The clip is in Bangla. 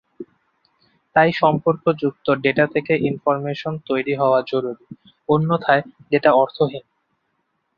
তাই সম্পর্কযুক্ত ডেটা থেকে ইনফরমেশন তৈরি হাওয়া জরুরি, অন্যথায় ডেটা অর্থহীন।